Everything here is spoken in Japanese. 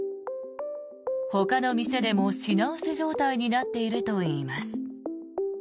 ほかの店でも品薄状態になっているといいます。